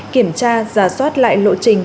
kiểm tra giả soát lại lộ trình